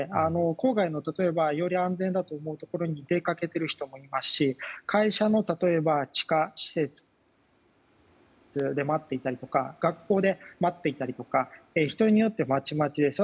郊外のより安全だと思うところに出かけている人もいますし会社の地下施設で待っていたりとか学校で待っていたりとか人によって、まちまちです。